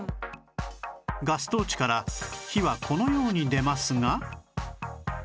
ガストーチから火はこのように出ますが